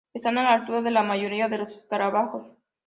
están a la altura de la mayoría de los escarabajos